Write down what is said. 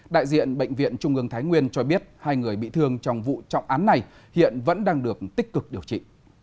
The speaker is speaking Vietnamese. đại diện bệnh viện trung ương thái nguyên cho biết hai người bị thương trong vụ trọng án này hiện vẫn đang được tích cực điều trị